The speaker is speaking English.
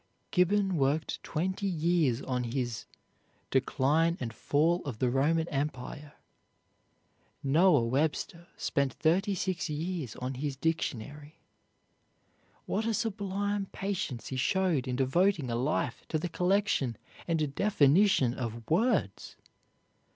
Gibbon worked twenty years on his "Decline and Fall of the Roman Empire." Noah Webster spent thirty six years on his dictionary. What a sublime patience he showed in devoting a life to the collection and definition of words!